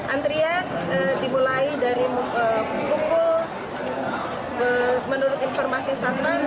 antrian dimulai dari pukul menurut informasi satpam